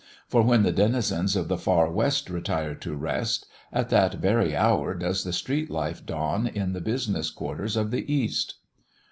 For when the denizens of the far West retire to rest, at that very hour does the street life dawn in the business quarters of the East.